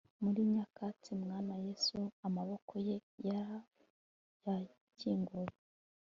muri nyakatsi, mwana yesu, amaboko ye yarakinguye